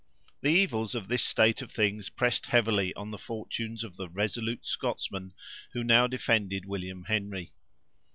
The evils of this state of things pressed heavily on the fortunes of the resolute Scotsman who now defended William Henry.